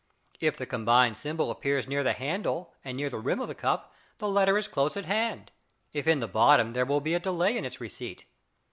If the combined symbol appears near the handle and near the rim of the cup, the letter is close at hand; if in the bottom there will be delay in its receipt.